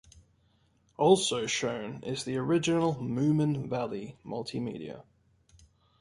Also shown is the original Moomin Valley multimedia.